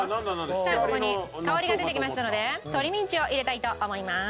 さあここに香りが出てきましたので鶏ミンチを入れたいと思います。